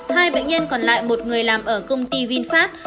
hai bệnh nhân còn lại một người làm ở công ty vinfast